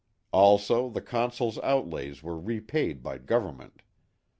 Also the Consul's outlays were repaid by Gov ernment.